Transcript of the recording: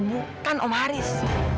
bukan om haris